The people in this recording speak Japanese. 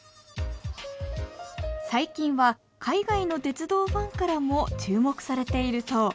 最近は海外の鉄道ファンからも注目されているそう